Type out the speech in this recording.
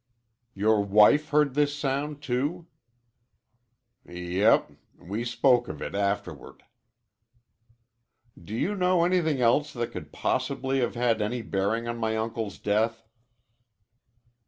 "Your wife heard this sound, too?" "Yep. We spoke of it afterward." "Do you know anything else that could possibly have had any bearing on my uncle's death?"